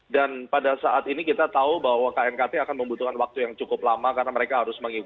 dan pada saat ini kita tahu bahwa knkt akan membutuhkan waktu yang cukup lama karena mereka harus memanfaatkan